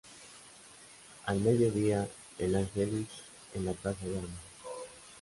Al mediodía El ángelus en la Plaza de Armas.